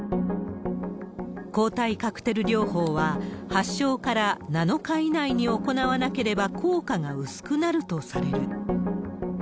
抗体カクテル療法は発症から７日以内に行わなければ効果が薄くなるとされる。